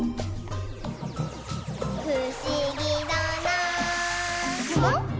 「ふしぎだなぁ」